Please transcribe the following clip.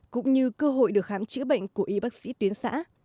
cũng như cơ hội được khám chữa bệnh của y bác sĩ tuyến xã